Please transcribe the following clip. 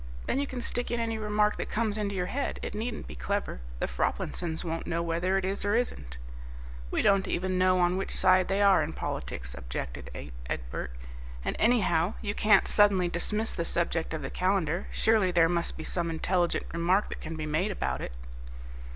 Then you can stick in any remark that comes into your head; it needn't be clever. The Froplinsons won't know whether it is or isn't." "We don't even know on which side they are in politics," objected Egbert; "and anyhow you can't suddenly dismiss the subject of the calendar. Surely there must be some intelligent remark that can be made about it."